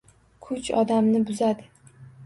Kuch odamni buzadi